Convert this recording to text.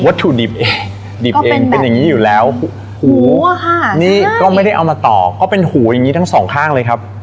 ถุดิบเองดิบเองเป็นอย่างงี้อยู่แล้วหูอ่ะค่ะนี่ก็ไม่ได้เอามาต่อเพราะเป็นหูอย่างนี้ทั้งสองข้างเลยครับ